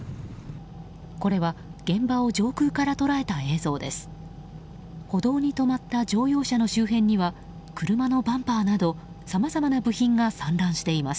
これは現場を上空から捉えた映像です。